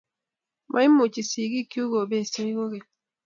Maimuchi sigikuk kobesyech koigeny